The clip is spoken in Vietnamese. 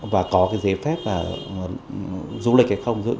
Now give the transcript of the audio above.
và có cái giấy phép du lịch hay không